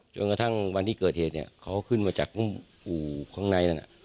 จนกระทั่งวันที่เกิดเหตุเนี่ยเขาขึ้นมาจากอู่ข้างในนั้น